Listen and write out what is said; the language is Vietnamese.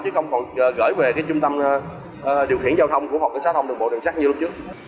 chứ không còn gửi về trung tâm điều khiển giao thông của phòng cảnh sát giao thông đường bộ đường sắt như lúc trước